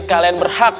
mungkin kalian berhak